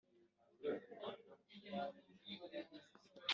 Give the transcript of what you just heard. ingingo ya gutesha agaciro icyemezo